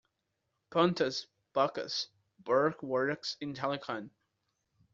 Pontus "Bacchus" Berg works in telecom.